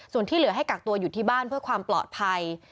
ส่วนที่เหลือให้กักตัวอยู่ที่บ้านเพื่อความปลอดภัย